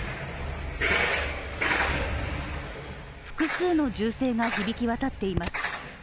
複数の銃声が響きわたっています。